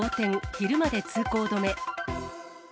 昼間で通行止め。